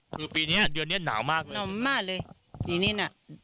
คือปีเนี้ยเดือนเนี้ยหนาวมากเลยหนาวมากเลยปีนี้น่ะ